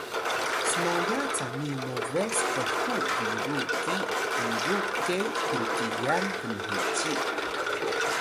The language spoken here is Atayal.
smoya cami mbes khu biru ki biru ke pinqiyan bnheci